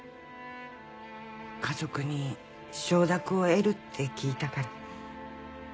家族に承諾を得るって聞いたから。